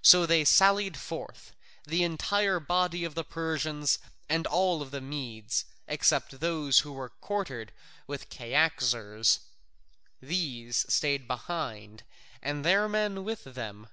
So they sallied forth, the entire body of the Persians and all the Medes, except those who were quartered with Cyaxares: these stayed behind, and their men with them.